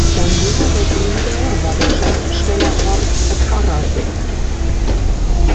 Sein jüngerer Bruder war der Schriftsteller Horst Karasek.